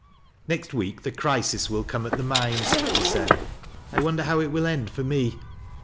" Next week the crisis will come at the mines," he said. " I wonder how it will end for me."